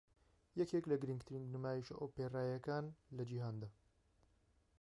یەکێک لە گرنگترین نمایشە ئۆپێراییەکان لە جیهاندا